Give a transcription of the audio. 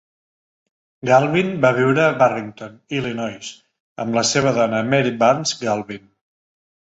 Galvin va viure a Barrington (Illinois) amb la seva dona Mary Barnes Galvin.